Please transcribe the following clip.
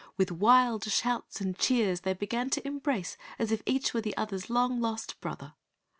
With wild shouts and cheers they began to embrace as if each were the other's long lost brother.